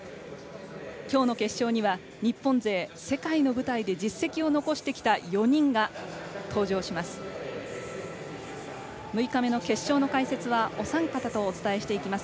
きょうの決勝には日本勢世界の舞台で実績を残してきた４人が登場します。